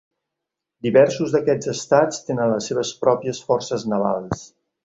Diversos d'aquests estats tenen les seves pròpies forces navals.